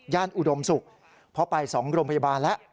ย่านอูดมสุขเพราะไปสองโรงพยาบาลและ